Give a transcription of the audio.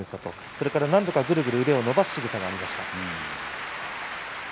それから何かくるくる腕を伸ばすしぐさがありました。